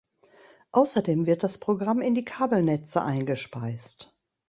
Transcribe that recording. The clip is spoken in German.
Außerdem wird das Programm in die Kabelnetze eingespeist.